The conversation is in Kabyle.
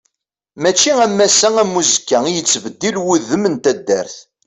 Mačči am ass-a am uzekka i yettbeddil wudem n taddart.